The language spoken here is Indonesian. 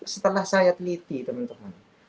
setelah syariat liti teman teman